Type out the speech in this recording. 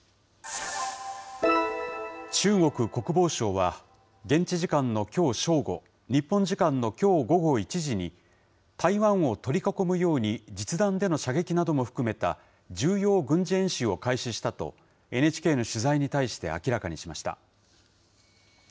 中国国防省は、現地時間のきょう正午、日本時間のきょう午後１時に、台湾を取り囲むように実弾での射撃なども含めた、重要軍事演習を開始したと、ＮＨＫの取材に対して明らかにしました。